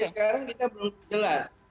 sekarang kita belum jelas